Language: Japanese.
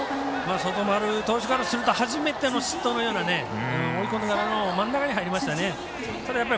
外丸投手からすると初めての失投のような追い込んでから真ん中に入りましたね。